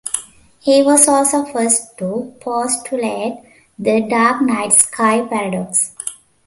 He was also first to postulate the "dark night sky paradox".